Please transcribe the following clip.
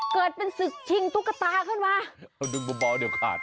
เกิดเป็นศึกชิงตุ๊กตาขึ้นมา